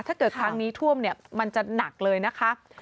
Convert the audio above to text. ถ้าเกิดครั้งนี้ท่วมเนี่ยมันจะหนักเลยนะคะ